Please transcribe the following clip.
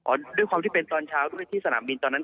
ด้วยความที่เป็นตอนเช้าด้วยที่สนามบินตอนนั้น